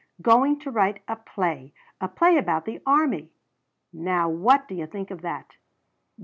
"Going to write a play a play about the army! Now what do you think of that?